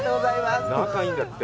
仲いいんだって？